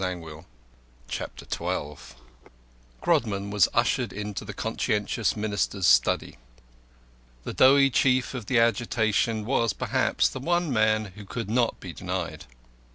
And the crowd awaited Grodman. XII Grodman was ushered into the conscientious Minister's study. The doughty chief of the agitation was, perhaps, the one man who could not be denied.